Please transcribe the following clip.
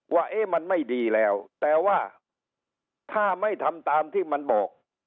ว่ามันไม่ดีแล้วแต่ว่าถ้าไม่ทำตามที่มันบอก